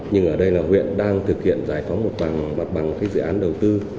nhưng ở đây là huyện đang thực hiện giải phóng mặt bằng mặt bằng các dự án đầu tư